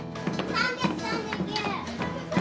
３３９！